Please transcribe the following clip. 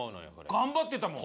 頑張ってたもん。